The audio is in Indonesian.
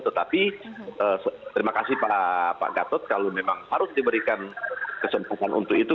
tetapi terima kasih pak gatot kalau memang harus diberikan kesempatan untuk itu